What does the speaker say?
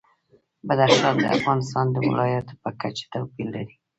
بدخشان د افغانستان د ولایاتو په کچه توپیر لري.